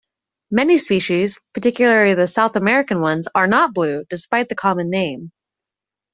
Many species, particularly the South American ones, are not blue, despite the common name.